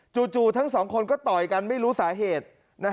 ทั้งสองคนก็ต่อยกันไม่รู้สาเหตุ